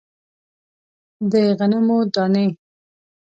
د غنمو دانې